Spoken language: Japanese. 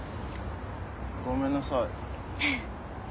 ごめんなさい。